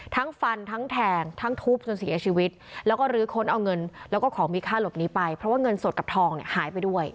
ทั้งฟันทั้งแทงทั้งทุบจนเสียชีวิตแล้วก็ลื้อค้นเอาเงินแล้วก็ของมีค่าหลบนี้ไปเพราะว่าเงินสดกับทองเนี่ยหายไปด้วย